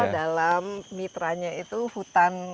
dalam mitra nya itu hutan